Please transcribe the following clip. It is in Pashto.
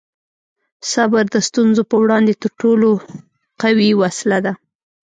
صبر د ستونزو په وړاندې تر ټولو قوي وسله ده.